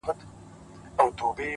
د اووم جنم پر لاره; اووه واره فلسفه يې;